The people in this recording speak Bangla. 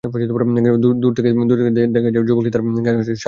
দূর থেকে দেখা গেছে যুবকটি তার গায়ে থাকা শার্ট খুলে ফেলে।